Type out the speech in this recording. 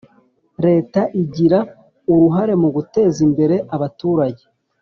Leta igira uruhare mu guteza imbere abaturage